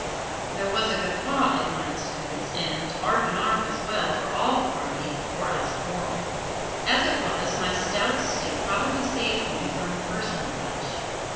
There was a guffaw at my expense and 'arf and 'arf as well, for all the party, or else quarrel. As it was, my stout stick probably saved me from the "personal touch."